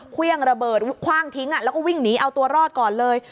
เครื่องระเบิดคว่างทิ้งแล้วก็วิ่งหนีเอาตัวรอดก่อนเลย